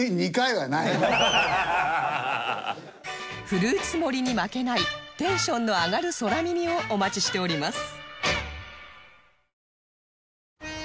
フルーツ盛りに負けないテンションの上がる空耳をお待ちしております